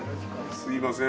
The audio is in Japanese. すみません